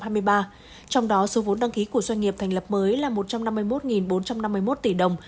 trong đó số vốn đăng ký của doanh nghiệp thành lập mới là một trăm năm mươi một bốn trăm năm mươi một tỷ đồng